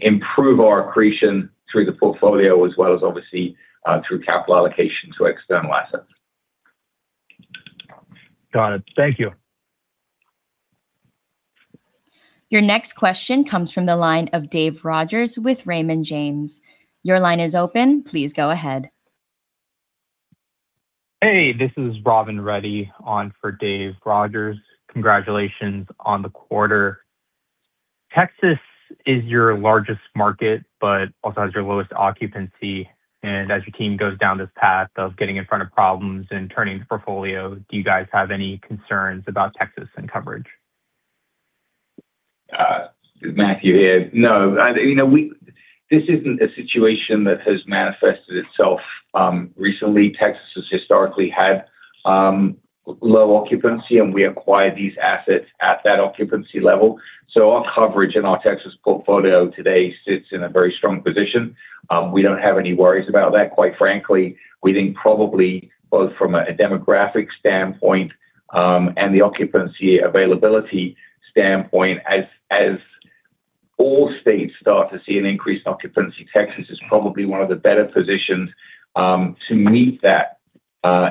improve our accretion through the portfolio as well as obviously through capital allocation to external assets. Got it. Thank you. Your next question comes from the line of David Rodgers with Raymond James. Your line is open. Please go ahead. Hey, this is Ravin Reddy on for David Rodgers. Congratulations on the quarter. Texas is your largest market, but also has your lowest occupancy, and as your team goes down this path of getting in front of problems and turning the portfolio, do you guys have any concerns about Texas and coverage? Matthew here. No. This isn't a situation that has manifested itself recently. Texas has historically had low occupancy, and we acquired these assets at that occupancy level. Our coverage in our Texas portfolio today sits in a very strong position. We don't have any worries about that. Quite frankly, we think probably both from a demographic standpoint and the occupancy availability standpoint, as all states start to see an increased occupancy, Texas is probably one of the better positions to meet that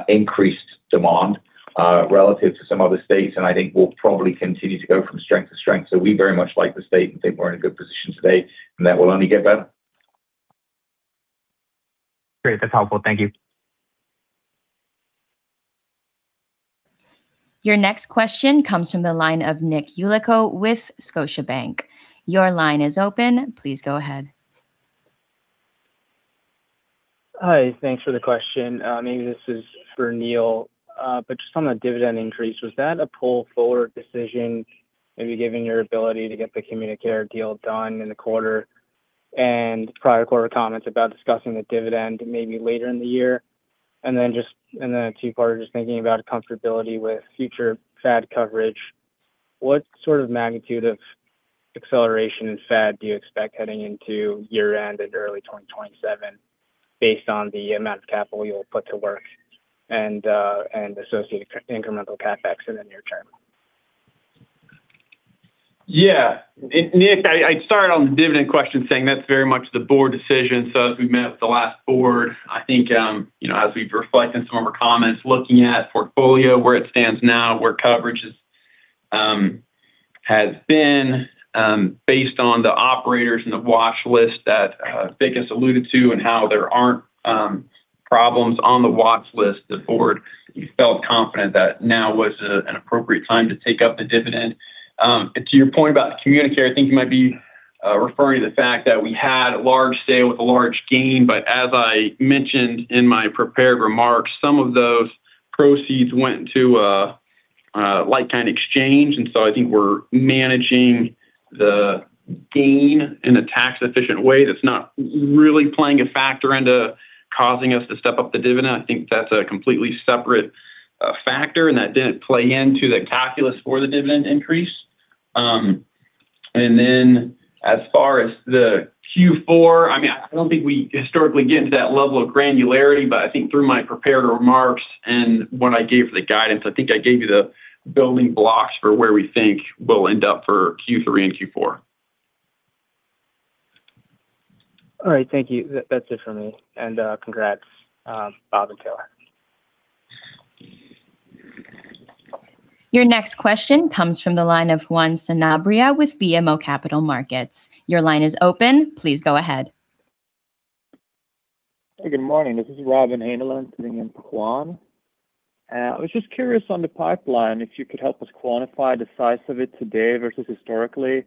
increased demand relative to some other states. I think we'll probably continue to go from strength to strength. We very much like the state and think we're in a good position today, and that will only get better. Great. That's helpful. Thank you. Your next question comes from the line of Nick Yulico with Scotiabank. Your line is open. Please go ahead. Hi. Thanks for the question. Maybe this is for Neal. Just on the dividend increase, was that a pull forward decision? Maybe given your ability to get the CommuniCare deal done in the quarter and prior quarter comments about discussing the dividend maybe later in the year. Then a two-parter, just thinking about comfortability with future FAD coverage. What sort of magnitude of acceleration in FAD do you expect heading into year end and early 2027 based on the amount of capital you'll put to work and associated incremental CapEx in the near term? Nick, I'd start on the dividend question saying that's very much the board decision. As we met with the last board, I think as we reflect in some of our comments looking at portfolio, where it stands now, where coverage has been based on the operators and the watch list that Vikas alluded to and how there aren't problems on the watch list, the board felt confident that now was an appropriate time to take up the dividend. To your point about CommuniCare, I think you might be referring to the fact that we had a large sale with a large gain. As I mentioned in my prepared remarks, some of those proceeds went into a like-kind exchange. I think we're managing the gain in a tax-efficient way that's not really playing a factor into causing us to step up the dividend. I think that's a completely separate factor, that didn't play into the calculus for the dividend increase. As far as the Q4, I don't think we historically get into that level of granularity, but I think through my prepared remarks and when I gave the guidance, I think I gave you the building blocks for where we think we'll end up for Q3 and Q4. All right. Thank you. That's it for me. Congrats, Bob and Taylor. Your next question comes from the line of Juan Sanabria with BMO Capital Markets. Your line is open. Please go ahead. Hey, good morning. This is Robin Haneland standing in for Juan. I was just curious on the pipeline, if you could help us quantify the size of it today versus historically.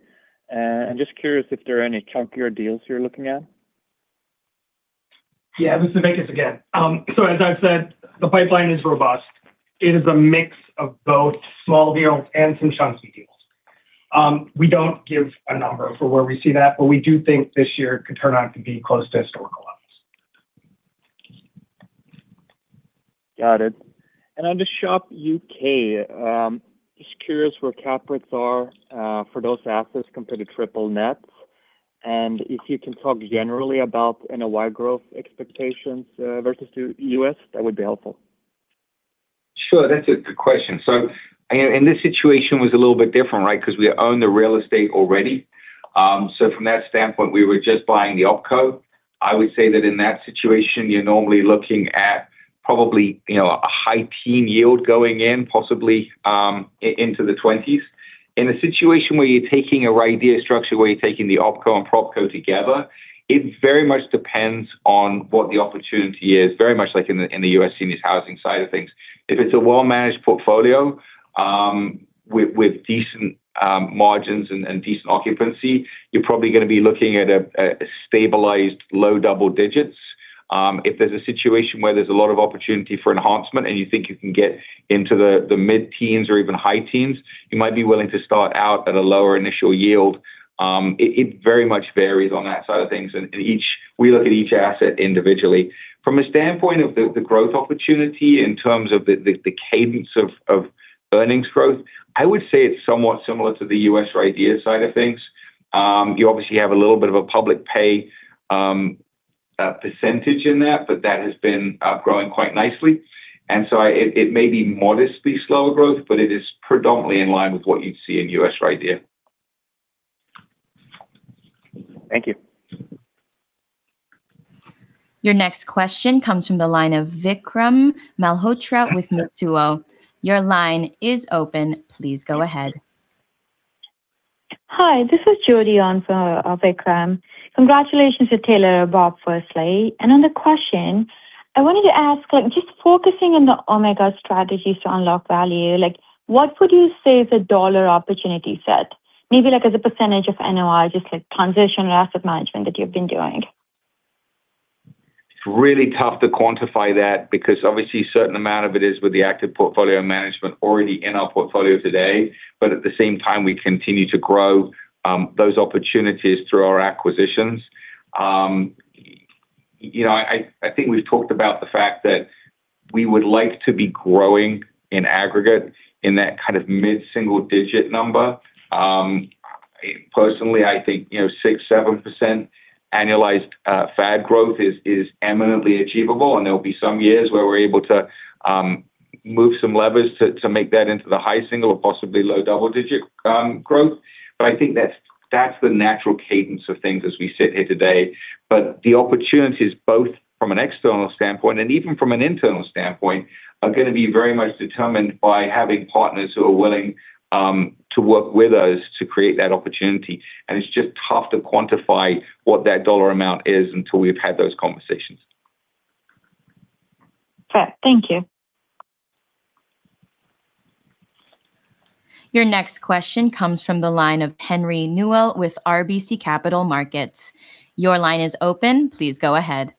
Just curious if there are any chunkier deals you're looking at. Yeah, this is Vikas again. As I've said, the pipeline is robust. It is a mix of both small deals and some chunky deals. We don't give a number for where we see that, we do think this year could turn out to be close to historical levels. On The SHOP U.K., just curious where cap rates are for those assets compared to triple net. If you can talk generally about NOI growth expectations versus the U.S., that would be helpful. Sure. That's a good question. This situation was a little bit different, right? Because we own the real estate already. From that standpoint, we were just buying the OpCo. I would say that in that situation, you're normally looking at probably a high-teen yield going in, possibly into the 20s. In a situation where you're taking a RIDEA structure, where you're taking the OpCo and PropCo together, it very much depends on what the opportunity is, very much like in the U.S. senior housing side of things. If it's a well-managed portfolio with decent margins and decent occupancy, you're probably going to be looking at a stabilized low double digits. If there's a situation where there's a lot of opportunity for enhancement and you think you can get into the mid-teens or even high-teens, you might be willing to start out at a lower initial yield. It very much varies on that side of things. We look at each asset individually. From a standpoint of the growth opportunity in terms of the cadence of earnings growth, I would say it's somewhat similar to the U.S. REIT side of things. You obviously have a little bit of a public pay % in that, but that has been growing quite nicely. It may be modestly slower growth, but it is predominantly in line with what you'd see in U.S. REIT. Thank you. Your next question comes from the line of Vikram Malhotra with Mizuho. Your line is open. Please go ahead. Hi, this is Jodi on for Vikram. Congratulations to Taylor and Bob, firstly. On the question, I wanted to ask, just focusing on the Omega strategies to unlock value, what would you say is a dollar opportunity set? Maybe like as a percentage of NOI, just like transition or asset management that you've been doing. It's really tough to quantify that because obviously a certain amount of it is with the active portfolio management already in our portfolio today. At the same time, we continue to grow those opportunities through our acquisitions. I think we've talked about the fact that we would like to be growing in aggregate in that kind of mid-single digit number. Personally, I think 6%, 7% annualized FAD growth is eminently achievable, and there'll be some years where we're able to move some levers to make that into the high single or possibly low double digit growth. I think that's the natural cadence of things as we sit here today. The opportunities both from an external standpoint and even from an internal standpoint, are going to be very much determined by having partners who are willing to work with us to create that opportunity. It's just tough to quantify what that dollar amount is until we've had those conversations. Fair. Thank you. Your next question comes from the line of Henry Newell with RBC Capital Markets. Your line is open. Please go ahead.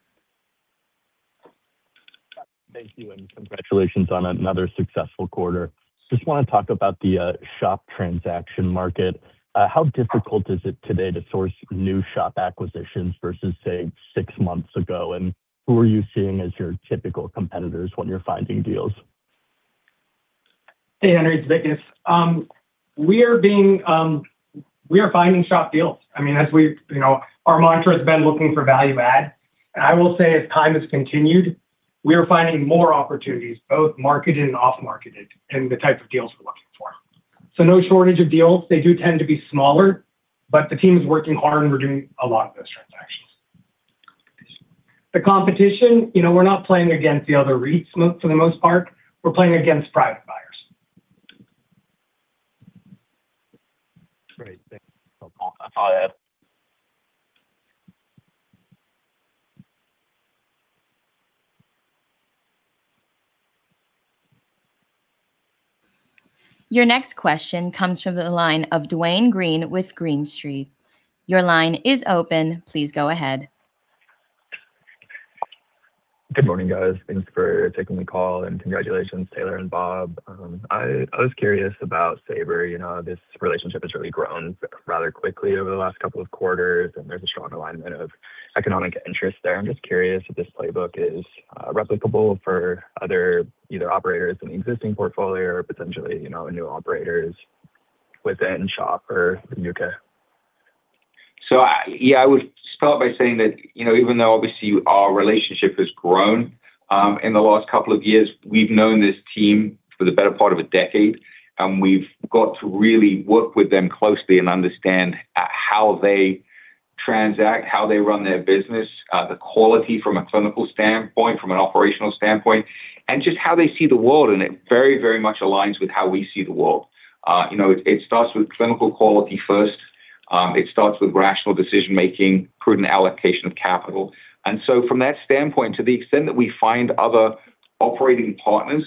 Thank you, and congratulations on another successful quarter. Just want to talk about the SHOP transaction market. How difficult is it today to source new SHOP acquisitions versus, say, six months ago? Who are you seeing as your typical competitors when you're finding deals? Hey, Henry, it's Vikas. We are finding SHOP deals. Our mantra has been looking for value add. I will say as time has continued, we are finding more opportunities, both marketed and off-marketed, in the type of deals we're looking for. No shortage of deals. The team's working hard, and we're doing a lot of those transactions. The competition, we're not playing against the other REITs for the most part. We're playing against private buyers. Great. Thank you. That's all I have. Your next question comes from the line of Dwayne Green with Green Street. Your line is open. Please go ahead. Good morning, guys. Thanks for taking the call, and congratulations, Taylor and Bob. I was curious about Saber. This relationship has really grown rather quickly over the last couple of quarters. There's a strong alignment of economic interest there. I'm just curious if this playbook is replicable for other either operators in the existing portfolio or potentially, new operators within SHOP or the U.K. Yeah, I would start by saying that even though obviously our relationship has grown in the last couple of years, we've known this team for the better part of a decade. We've got to really work with them closely and understand how they transact, how they run their business, the quality from a clinical standpoint, from an operational standpoint, and just how they see the world. It very much aligns with how we see the world. It starts with clinical quality first. It starts with rational decision making, prudent allocation of capital. From that standpoint, to the extent that we find other operating partners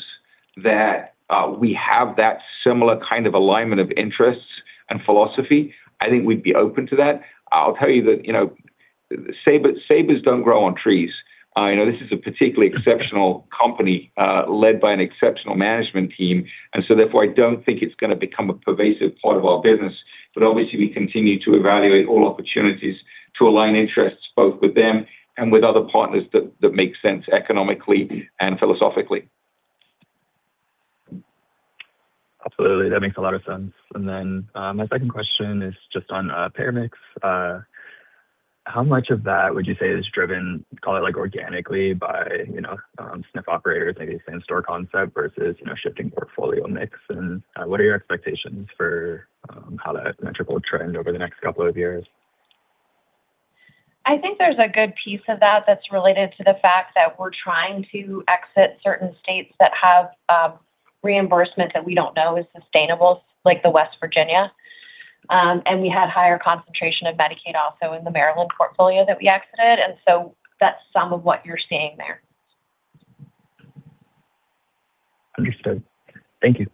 that we have that similar kind of alignment of interests and philosophy, I think we'd be open to that. I'll tell you that Sabers don't grow on trees. This is a particularly exceptional company led by an exceptional management team. Therefore, I don't think it's going to become a pervasive part of our business. But obviously, we continue to evaluate all opportunities to align interests, both with them and with other partners that make sense economically and philosophically. Absolutely. That makes a lot of sense. Then my second question is just on payer mix. How much of that would you say is driven, call it like organically by SNF operators, maybe same store concept versus shifting portfolio mix? And what are your expectations for how that metric will trend over the next couple of years? I think there's a good piece of that that's related to the fact that we're trying to exit certain states that have reimbursement that we don't know is sustainable, like the West Virginia. We had higher concentration of Medicaid also in the Maryland portfolio that we exited, and so that's some of what you're seeing there. Understood. Thank you.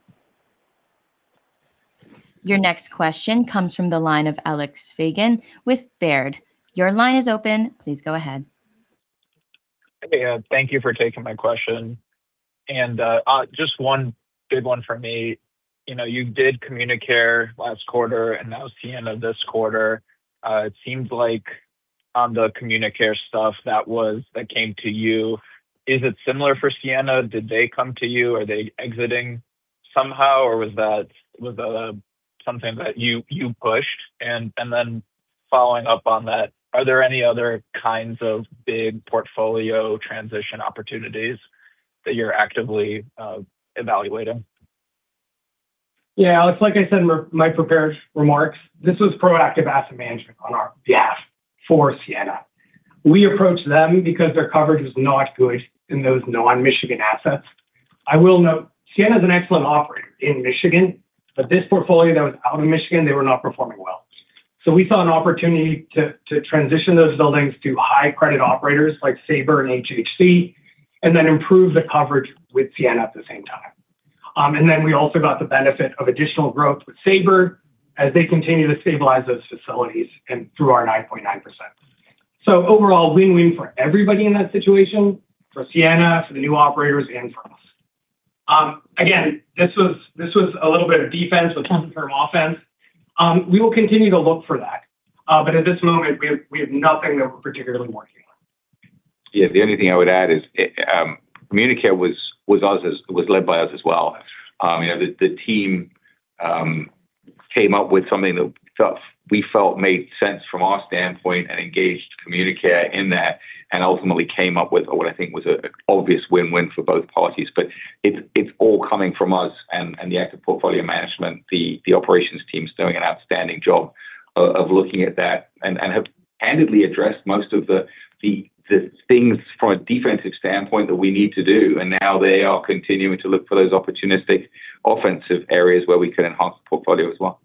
Your next question comes from the line of Alex Fagan with Baird. Your line is open. Please go ahead. Hey. Thank you for taking my question. Just one big one for me. You did CommuniCare last quarter and now Ciena this quarter. It seems like on the CommuniCare stuff, that came to you. Is it similar for Ciena? Did they come to you? Are they exiting somehow, or was that something that you pushed? Then following up on that, are there any other kinds of big portfolio transition opportunities that you're actively evaluating? Yeah, Alex, like I said in my prepared remarks, this was proactive asset management on our behalf for Ciena. We approached them because their coverage was not good in those non-Michigan assets. I will note, Ciena's an excellent operator in Michigan, but this portfolio that was out of Michigan, they were not performing well. We saw an opportunity to transition those buildings to high credit operators like Saber and HHC, then improve the coverage with Ciena at the same time. Then we also got the benefit of additional growth with Saber as they continue to stabilize those facilities and through our 9.9%. Overall win-win for everybody in that situation, for Ciena, for the new operators, and for us. Again, this was a little bit of defense but long-term offense. We will continue to look for that. At this moment, we have nothing that we're particularly working on. Yeah. The only thing I would add is, CommuniCare was led by us as well. The team came up with something that we felt made sense from our standpoint and engaged CommuniCare in that, and ultimately came up with what I think was an obvious win-win for both parties. It's all coming from us and the active portfolio management. The operations team's doing an outstanding job of looking at that and have candidly addressed most of the things from a defensive standpoint that we need to do, and now they are continuing to look for those opportunistic offensive areas where we can enhance the portfolio as well.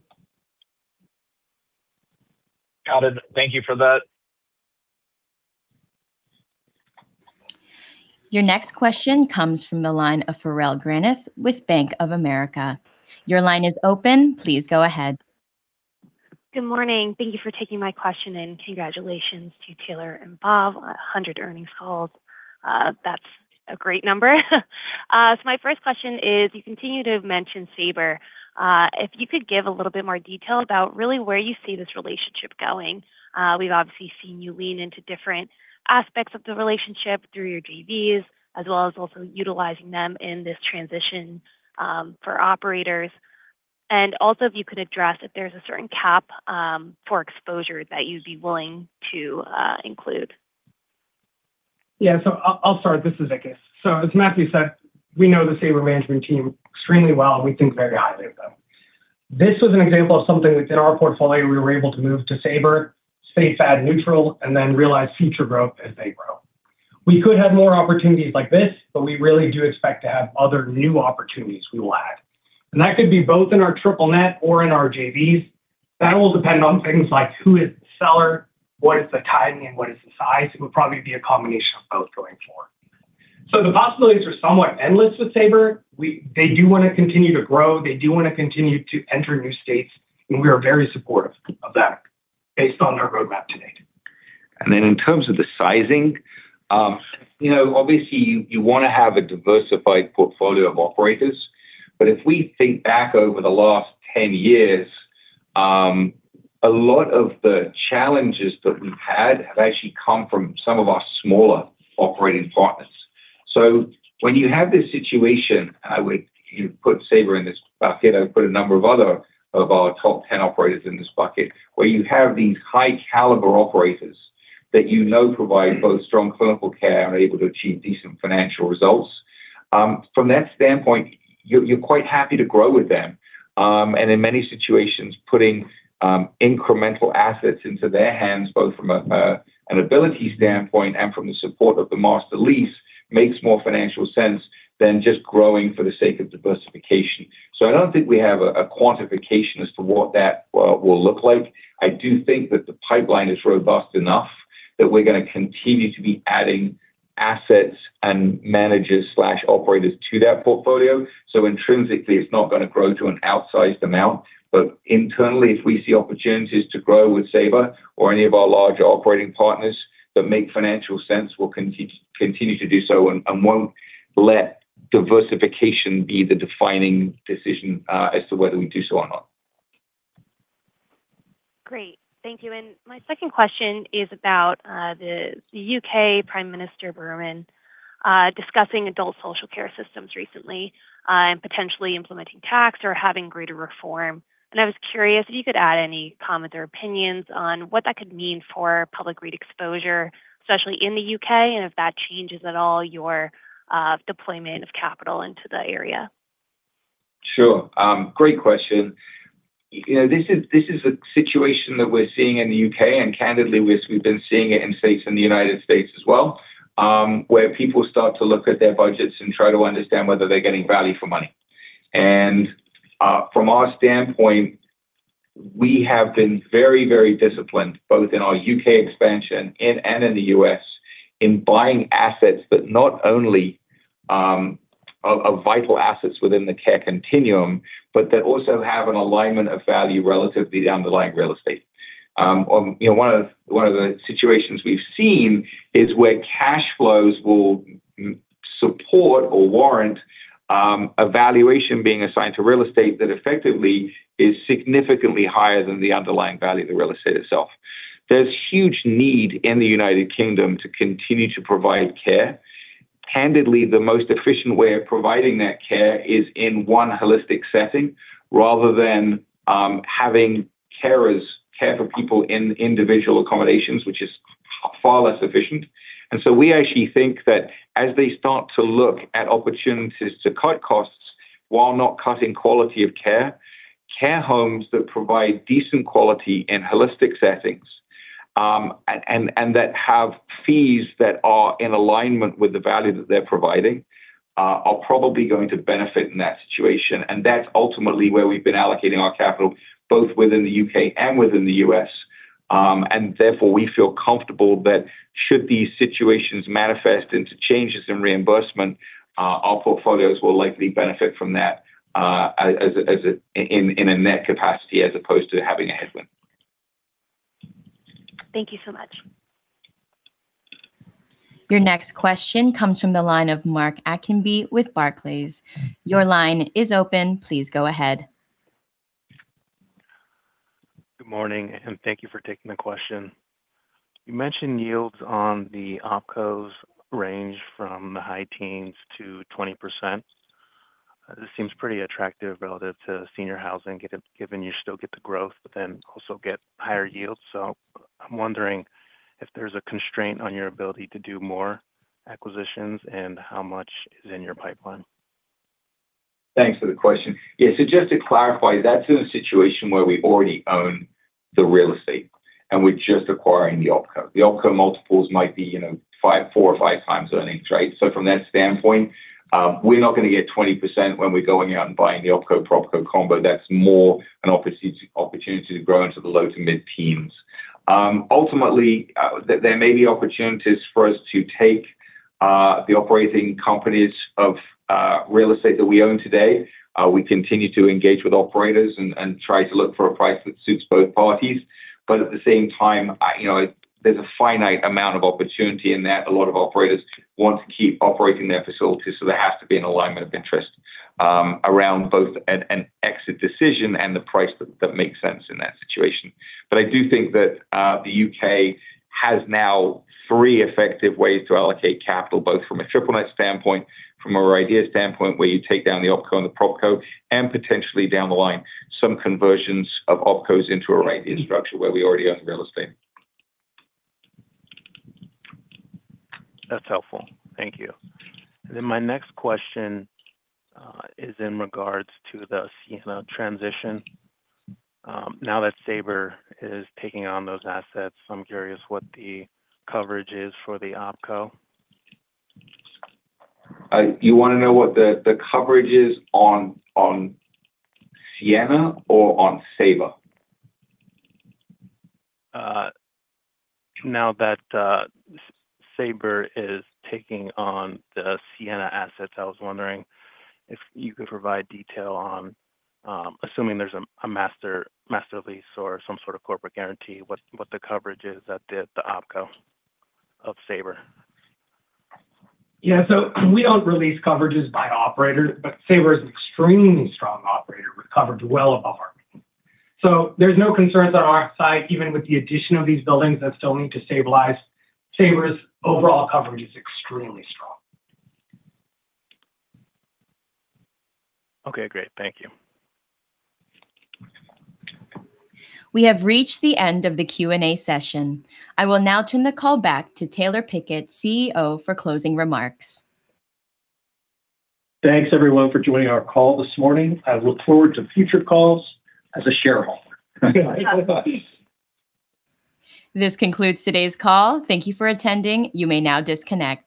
Got it. Thank you for that. Your next question comes from the line of Farrell Granath with Bank of America. Your line is open. Please go ahead. Good morning. Thank you for taking my question, and congratulations to Taylor and Bob on 100 earnings calls. That's a great number. My first question is, you continue to mention Saber. If you could give a little bit more detail about really where you see this relationship going. We've obviously seen you lean into different aspects of the relationship through your JVs, as well as also utilizing them in this transition for operators. If you could address if there's a certain cap for exposure that you'd be willing to include. Yeah. I'll start this as I guess. As Matthew said, we know the Saber management team extremely well and we think very highly of them. This was an example of something within our portfolio we were able to move to Saber, stay FAD neutral, and then realize future growth as they grow. We could have more opportunities like this, but we really do expect to have other new opportunities we will add. That could be both in our triple net or in our JVs. That will depend on things like who is the seller, what is the timing, and what is the size. It would probably be a combination of both going forward. The possibilities are somewhat endless with Saber. They do want to continue to grow, they do want to continue to enter new states, and we are very supportive of that based on our roadmap to date. In terms of the sizing, obviously you want to have a diversified portfolio of operators. If we think back over the last 10 years, a lot of the challenges that we've had have actually come from some of our smaller operating partners. When you have this situation, and I would put Saber in this bucket, I would put a number of other of our top 10 operators in this bucket, where you have these high caliber operators that you know provide both strong clinical care and are able to achieve decent financial results. From that standpoint, you're quite happy to grow with them. In many situations, putting incremental assets into their hands, both from an ability standpoint and from the support of the master lease, makes more financial sense than just growing for the sake of diversification. I don't think we have a quantification as to what that will look like. I do think that the pipeline is robust enough that we're going to continue to be adding assets and managers/operators to that portfolio. Intrinsically, it's not going to grow to an outsized amount. Internally, if we see opportunities to grow with Saber or any of our larger operating partners that make financial sense, we'll continue to do so and won't let diversification be the defining decision as to whether we do so or not. Great. Thank you. My second question is about the U.K. Prime Minister Burnham, discussing adult social care systems recently, and potentially implementing tax or having greater reform. I was curious if you could add any comments or opinions on what that could mean for public REIT exposure, especially in the U.K., and if that changes at all your deployment of capital into the area. Sure. Great question. This is a situation that we're seeing in the U.K., and candidly, we've been seeing it in states in the United States as well where people start to look at their budgets and try to understand whether they're getting value for money. From our standpoint, we have been very disciplined, both in our U.K. expansion and in the U.S., in buying assets that not only are vital assets within the care continuum, but that also have an alignment of value relative to the underlying real estate. One of the situations we've seen is where cash flows will support or warrant a valuation being assigned to real estate that effectively is significantly higher than the underlying value of the real estate itself. There's huge need in the United Kingdom to continue to provide care. Candidly, the most efficient way of providing that care is in one holistic setting rather than having carers care for people in individual accommodations, which is far less efficient. We actually think that as they start to look at opportunities to cut costs while not cutting quality of care homes that provide decent quality in holistic settings, and that have fees that are in alignment with the value that they're providing, are probably going to benefit in that situation. That's ultimately where we've been allocating our capital, both within the U.K. and within the U.S. Therefore, we feel comfortable that should these situations manifest into changes in reimbursement, our portfolios will likely benefit from that in a net capacity as opposed to having a headwind. Thank you so much. Your next question comes from the line of Mark Atkinby with Barclays. Your line is open. Please go ahead. Good morning. Thank you for taking the question. You mentioned yields on the OpCos range from the high teens to 20%. This seems pretty attractive relative to senior housing, given you still get the growth, also get higher yields. I'm wondering if there's a constraint on your ability to do more acquisitions, and how much is in your pipeline? Thanks for the question. Yeah. Just to clarify, that's in a situation where we already own the real estate and we're just acquiring the OpCo. The OpCo multiples might be four or five times earnings. From that standpoint, we're not going to get 20% when we're going out and buying the OpCo, PropCo combo. That's more an opportunity to grow into the low to mid teens. Ultimately, there may be opportunities for us to take the operating companies of real estate that we own today. We continue to engage with operators and try to look for a price that suits both parties. At the same time, there's a finite amount of opportunity in that a lot of operators want to keep operating their facilities, there has to be an alignment of interest around both an exit decision and the price that makes sense in that situation. I do think that the U.K. has now three effective ways to allocate capital, both from a triple net standpoint, from a RIDEA standpoint, where you take down the OpCo and the PropCo, and potentially down the line, some conversions of OpCos into a RIDEA structure where we already own the real estate. That's helpful. Thank you. My next question is in regards to the Ciena transition. Now that Saber is taking on those assets, I'm curious what the coverage is for the OpCo. You want to know what the coverage is on Ciena or on Saber? Now that Saber is taking on the Ciena assets, I was wondering if you could provide detail on, assuming there's a master lease or some sort of corporate guarantee, what the coverage is at the OpCo of Saber. Yeah. We don't release coverages by operator, but Saber is an extremely strong operator with coverage well above our mean. There's no concerns on our side, even with the addition of these buildings that still need to stabilize. Saber's overall coverage is extremely strong. Okay, great. Thank you. We have reached the end of the Q&A session. I will now turn the call back to Taylor Pickett, CEO, for closing remarks. Thanks, everyone, for joining our call this morning. I look forward to future calls as a shareholder. Yeah. Same with us. This concludes today's call. Thank you for attending. You may now disconnect.